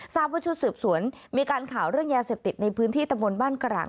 ทราบว่าชุดสืบสวนมีการข่าวเรื่องยาเสพติดในพื้นที่ตะบนบ้านกร่าง